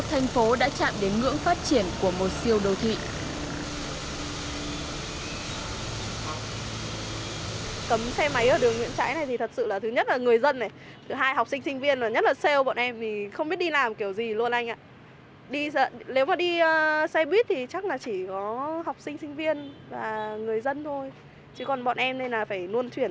hãy đăng ký kênh để ủng hộ kênh của mình nhé